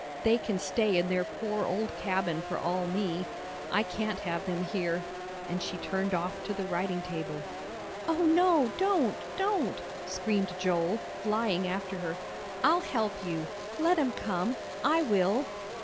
They can stay in their poor old cabin for all me. I can't have them here," and she turned off to the writing table. "Oh, no, don't, don't," screamed Joel, flying after her. "I'll help you. Let 'em come I will!"